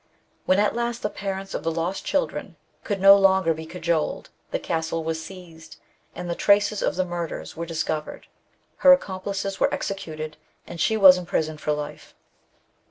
" When at last the parents of the lost children could no longer be cajoled, the castle was seized, and the traces of the murders were discovered. Her accomplices were executed, and she was imprisoned for life."